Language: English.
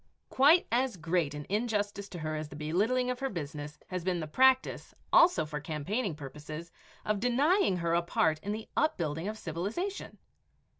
Quite as great an injustice to her as the belittling of her business has been the practice, also for campaigning purposes, of denying her a part in the upbuilding of civilization.